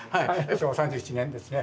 昭和３７年ですね。